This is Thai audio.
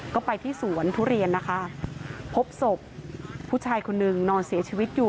ก็ไปที่สวนทุเรียนนะคะพบศพผู้ชายคนนึงนอนเสียชีวิตอยู่